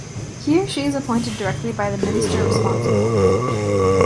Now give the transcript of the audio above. He or she is appointed directly by the Minister responsible.